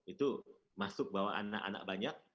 itu masuk bawa anak anak banyak